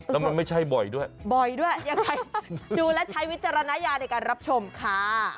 แล้วมันไม่ใช่บ่อยด้วยบ่อยด้วยยังไงดูและใช้วิจารณญาในการรับชมค่ะ